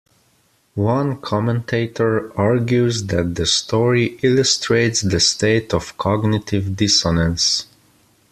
One commentator argues that the story illustrates the state of cognitive dissonance.